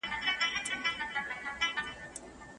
هغه نوي میتودونه چي اوس کشف سوي باید په تولید کي وکارول سي.